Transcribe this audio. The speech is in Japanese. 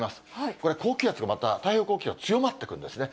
これ、高気圧がまた、太平洋高気圧強まってくるんですね。